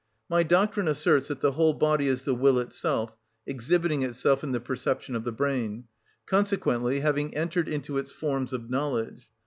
My doctrine asserts that the whole body is the will itself, exhibiting itself in the perception of the brain; consequently, having entered into its forms of knowledge.